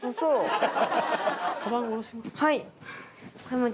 はい。